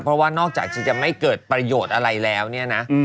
เพราะว่านอกจากจะไม่เกิดประโยชน์อะไรแล้วเนี่ยนะ